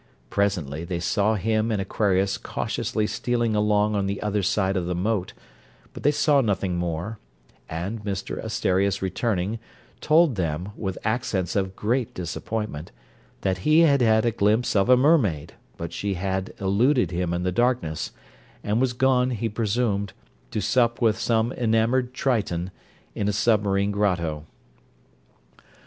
Presently they saw him and Aquarius cautiously stealing along on the other side of the moat, but they saw nothing more; and Mr Asterias returning, told them, with accents of great disappointment, that he had had a glimpse of a mermaid, but she had eluded him in the darkness, and was gone, he presumed, to sup with some enamoured triton, in a submarine grotto.